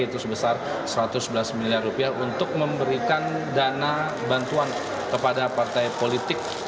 yaitu sebesar satu ratus sebelas miliar rupiah untuk memberikan dana bantuan kepada partai politik